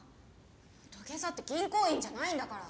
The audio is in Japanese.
土下座って銀行員じゃないんだから。